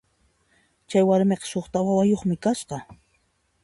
Chay warmiqa suqta wawayuqmi kasqa.